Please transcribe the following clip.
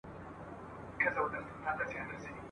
لر او بر افغانان راټول سوي دي !.